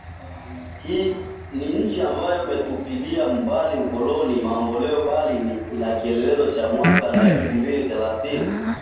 Ni nchi ambayo imetupilia mbali ukoloni-mamboleo bali ina kielelezo cha mwaka wa elfu mbili thelathini